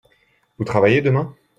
Vous travaillez demain ?